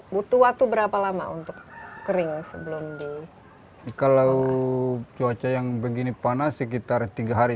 butuh waktu berapa lama untuk kering sebelum di kalau cuaca yang begini panas sekitar tiga hari